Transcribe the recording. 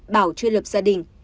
bảo chưa lập gia đình